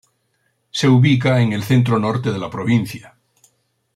Se ubica en el centro-norte de la provincia.